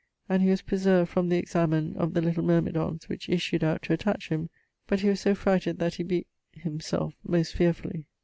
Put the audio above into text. and he was preserved from the examen of the little myrmidons which issued out to attach him; but he was so frighted that he bes ... him selfe most fearfully.